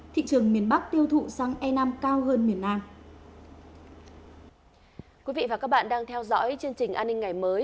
thị trường miền bắc tiêu thụ xăng enam cao hơn miền nam